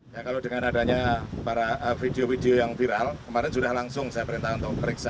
ya kalau dengan adanya para video video yang viral kemarin sudah langsung saya perintah untuk periksa